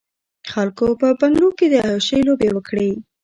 خلکو په بنګلو کې د عياشۍ لوبې وکړې.